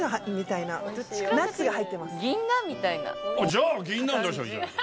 じゃあ銀杏出しゃいいじゃない。